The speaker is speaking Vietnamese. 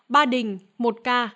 ba đình một ca